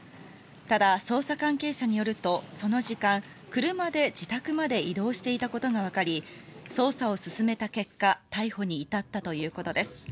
ただ捜査関係者によるとその時間車で自宅まで移動したことがわかり捜査を進めた結果逮捕に至ったということです。